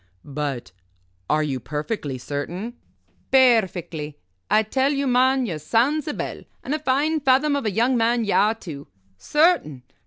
"But are you perfectly certain?" "Perfectly. I tell you, man, you're sound's a bell, and a fine fathom of a young man ye are, too. Certain?